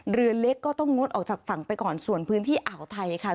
เรือเล็กก็ต้องงดออกจากฝั่งไปก่อนส่วนพื้นที่อ่าวไทยค่ะ